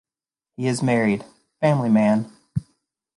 He is a married, family man.